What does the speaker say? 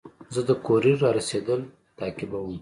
زه د کوریر رارسېدل تعقیبوم.